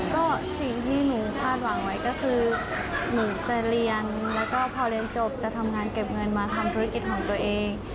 ก็สิ่งที่หนูคาดหวังไว้ก็คือหนูจะเรียนแล้วก็พอเรียนจบจะทำงานเก็บเงินมาทำธุรกิจของตัวเอง